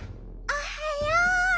おはよう！